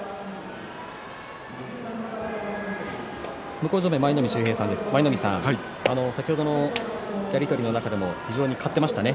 向正面の舞の海さん先ほどのやり取りの中でも買ってましたね